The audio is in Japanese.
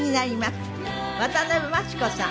渡辺真知子さん